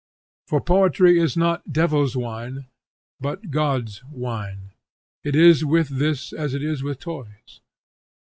For poetry is not 'Devil's wine,' but God's wine. It is with this as it is with toys.